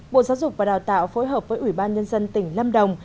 bộ giáo dục và đào tạo phối hợp với ủy ban nhân dân tỉnh lâm đồng